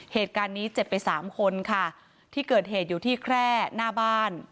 เหตุการณ์นี้เจ็บไปสามคนค่ะที่เกิดเหตุอยู่ที่แคร่หน้าบ้าน